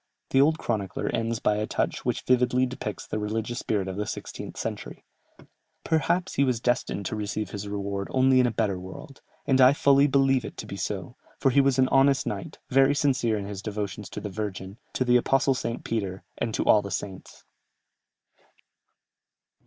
The old chronicler ends by a touch which vividly depicts the religious spirit of the sixteenth century: "Perhaps he was destined to receive his reward only in a better world, and I fully believe it to be so; for he was an honest knight, very sincere in his devotions to the Virgin, to the Apostle St. Peter, and to all the saints."